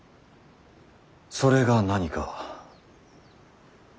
それが何か。